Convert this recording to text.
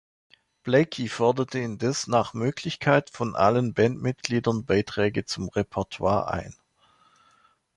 Blakey forderte indes nach Möglichkeit von allen Bandmitgliedern Beiträge zum Repertoire ein.